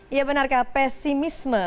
iya benarkah pesimisme